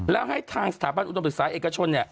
แล้วให้ทางสถาบันอุดมศึกษาเอกชน